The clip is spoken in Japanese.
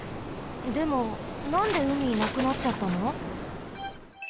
でもなんでうみなくなっちゃったの？